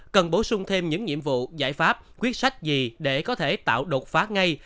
cần bổ sung thêm những nhiệm vụ giải pháp quyết sách gì để có thể tạo đột phá ngay